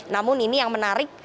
namun ini yang menarik